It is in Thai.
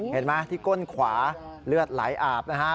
เห็นไหมที่ก้นขวาเลือดไหลอาบนะฮะ